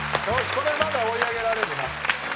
これまだ追い上げられるな。